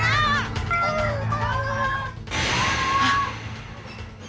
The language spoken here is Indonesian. jangan buruk ini skihkan vivreiding banget